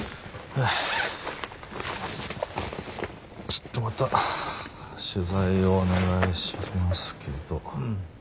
ちょっとまた取材をお願いしますけど。